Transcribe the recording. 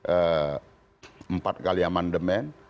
empat kali amandemen